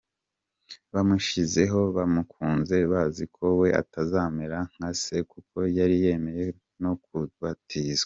Bamushyizeho bamukunze bazi ko we atazamera nka se, kuko yari yemeye no kubatizwa.